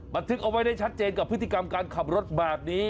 บันทึกเอาไว้ได้ชัดเจนกับพฤติกรรมการขับรถแบบนี้